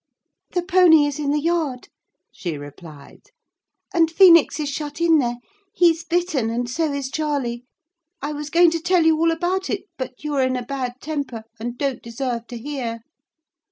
"The pony is in the yard," she replied, "and Phoenix is shut in there. He's bitten—and so is Charlie. I was going to tell you all about it; but you are in a bad temper, and don't deserve to hear."